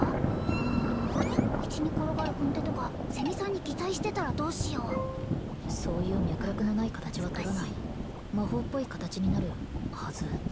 うん道に転がる軍手とかセミさんに擬態してたらどうしようそういう脈絡のない形は取らないむむ難しい魔法っぽい形になるはず